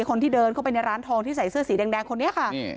คนที่เดินเข้าไปในร้านทองที่ใส่เสื้อสีแดงคนนี้ค่ะ